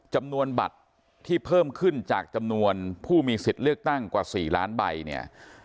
จำนวนบัตรที่เพิ่มขึ้นจากจำนวนผู้มีสิทธิ์เลือกตั้งกว่า๔ล้านใบเนี่ย